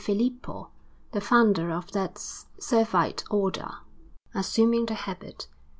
Filippo, the founder of that Servite Order, assuming the habit.